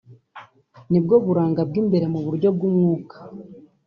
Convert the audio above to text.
ni bwa buranga bw'imbere mu buryo bw'umwuka